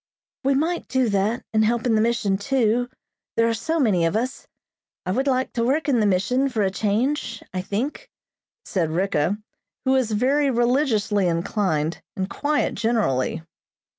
"We might do that and help in the mission, too, there are so many of us. I would like to work in the mission for a change, I think," said Ricka, who was very religiously inclined and quiet generally.